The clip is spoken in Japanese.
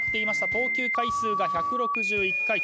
投球回数が１６１回。